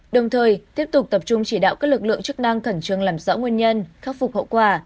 đồng thời tiếp tục tập trung chỉ đạo các lực lượng chức năng khẩn trương làm rõ nguyên nhân khắc phục hậu quả